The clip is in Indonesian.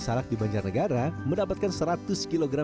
salat di banjarnegara mendapatkan seratus kg salak buah salak preat shin engam